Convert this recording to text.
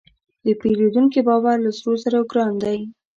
د پیرودونکي باور له سرو زرو ګران دی.